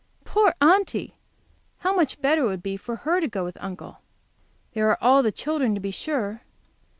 Poor Aunty! How much better it would be for her to go with Uncle! There are the children, to be sure.